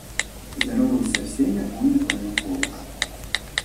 Здороваясь со всеми, он наклонил голову.